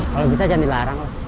kalau bisa jangan dilarang